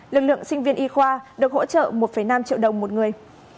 lực lượng sinh viên y khoa được hỗ trợ một năm triệu đồng một người